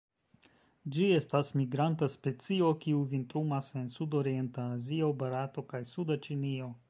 Ĝi estas migranta specio, kiu vintrumas en sudorienta Azio, Barato kaj suda Ĉinio.